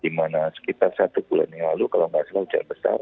di mana sekitar satu bulan yang lalu kalau nggak salah hujan besar